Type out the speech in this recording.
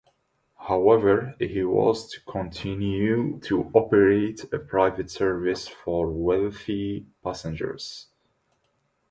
However, he was to continue to operate a private service for wealthy passengers.